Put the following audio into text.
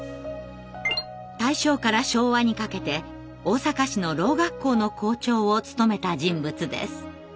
大正から昭和にかけて大阪市の聾学校の校長を務めた人物です。